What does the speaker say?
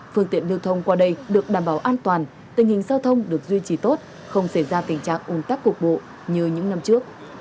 phương tiện lưu thông qua đây được đảm bảo an toàn tình hình giao thông được duy trì tốt không xảy ra tình trạng ủng tắc cục bộ như những năm trước